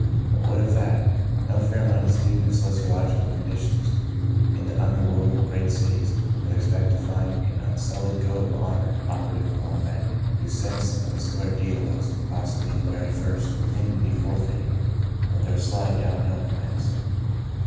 But what of that? No fair minded student of sociological conditions in the underworld of great cities would ex pect to find an unsullied code of honour operative among men, whose sense of a square deal was, possibly, the very first 24 The Greatest of These thing to be forfeited, when their slide down hill commenced.